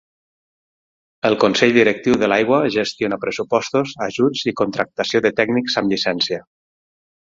El consell directiu de l'aigua gestiona pressupostos, ajuts i contractació de tècnics amb llicència.